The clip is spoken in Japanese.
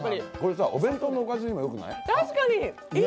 お弁当のおかずにもよくない？